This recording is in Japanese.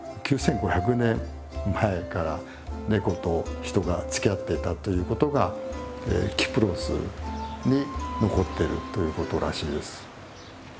９，５００年前からネコと人がつきあってたということがキプロスに残ってるということらしいです。